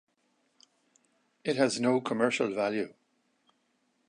It has no commercial value.